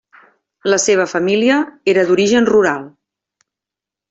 La seva família era d'origen rural.